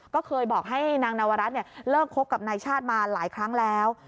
ก็เคยบอกให้นางนวรัฐเลิกคบกับนายชาติมาหลายครั้งแล้ว